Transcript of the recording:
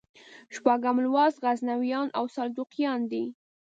شپږم لوست غزنویان او سلجوقیان دي.